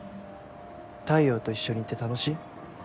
太陽と一緒にいて楽しい？